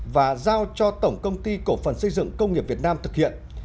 và giao cho tổng công ty cổ phần xây dựng công nghiệp việt nam thực hiện